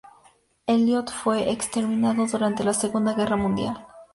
Eliot fue exterminado durante la Segunda Guerra Mundial.